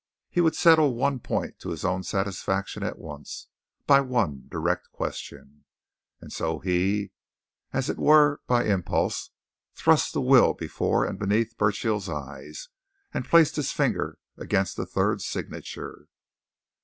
He would settle one point to his own satisfaction at once, by one direct question. And so he as it were by impulse thrust the will before and beneath Burchill's eyes, and placed his finger against the third signature.